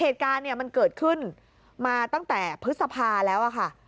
เหตุการณ์เนี่ยมันเกิดขึ้นมาตั้งแต่พฤษภาแล้วค่ะ